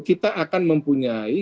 kita akan mempunyai